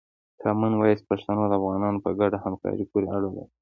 کامن وایس پښتو د افغانانو په ګډه همکاري پورې اړه لري.